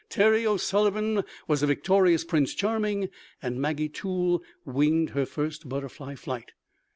Terry O'Sullivan was a victorious Prince Charming, and Maggie Toole winged her first butterfly flight.